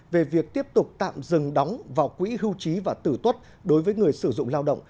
về việc tiếp tục tạm dừng đóng vào quỹ hưu trí và tử tuất đối với người sử dụng lao động